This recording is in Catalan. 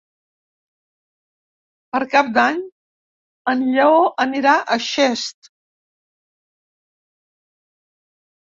Per Cap d'Any en Lleó anirà a Xest.